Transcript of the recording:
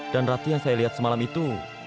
rati yang saya lihat semalam itu